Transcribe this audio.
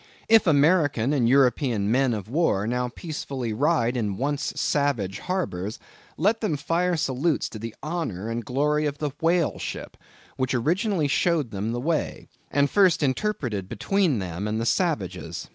If American and European men of war now peacefully ride in once savage harbors, let them fire salutes to the honor and glory of the whale ship, which originally showed them the way, and first interpreted between them and the savages.